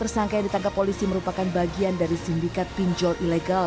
empat puluh lima tersangka yang ditangkap polisi merupakan bagian dari sindikat pinjol ilegal